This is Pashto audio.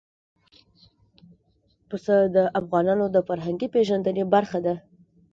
پسه د افغانانو د فرهنګي پیژندنې برخه ده.